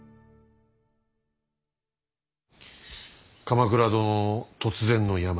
鎌倉殿の突然の病。